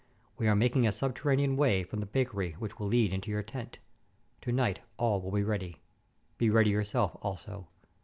We are making a subterranean way from the bakery which will lead into your tent. To night all will be ready. Be ready yourself also.